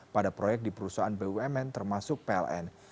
pada proyek di perusahaan bumn termasuk pln